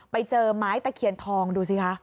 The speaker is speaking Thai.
ไปเจอไม้ตะเคียนทองดูสิคะ